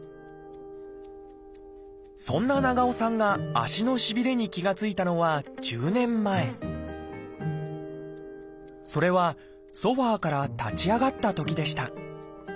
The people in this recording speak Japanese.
そんな長尾さんが足のしびれに気が付いたのは１０年前それはソファーから立ち上がったときでした。